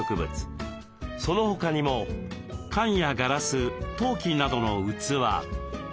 その他にも缶やガラス陶器などの器。